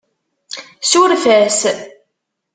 Suref-as.